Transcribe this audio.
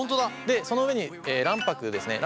でその上に卵白ですね。